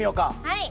はい！